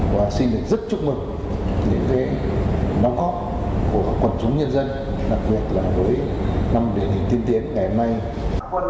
và xin được rất chúc mừng những đóng góp của quần chúng nhân dân đặc biệt là với năm điển hình tiên tiến ngày hôm nay